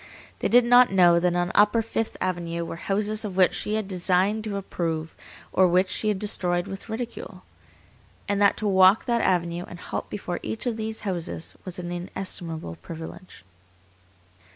They did not know that on upper Fifth Avenue were houses of which she had deigned to approve, or which she had destroyed with ridicule, and that to walk that avenue and halt before each of these houses was an inestimable privilege.